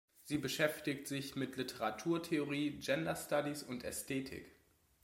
Sie beschäftigt sich mit Literaturtheorie, Gender Studies und Ästhetik.